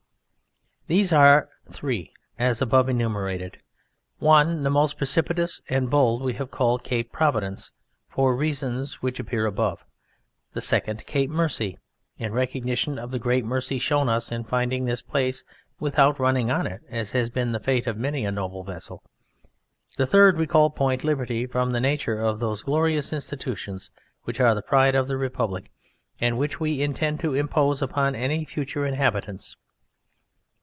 These are three, as above enumerated (q.v.); one, the most precipitous and bold, we have called Cape Providence (q.v.) for reasons which appear above; the second, Cape Mercy, in recognition of the great mercy shown us in finding this place without running on it as has been the fate of many a noble vessel. The third we called Point Liberty from the nature of those glorious institutions which are the pride of the Republic and which we intend to impose upon any future inhabitants.